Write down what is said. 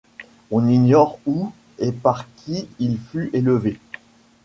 On ignore où et par qui il fut élevé.